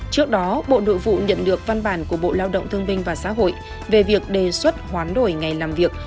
trước đó bộ nội vụ nhận được văn bản của bộ lao động thương binh và xã hội về việc đề xuất hoán đổi ngày làm việc